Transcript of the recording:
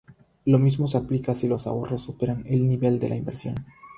Lo mismo se aplica si los ahorros superan el nivel de la inversión.